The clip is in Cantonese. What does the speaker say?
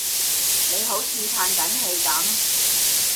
你好似歎緊氣噉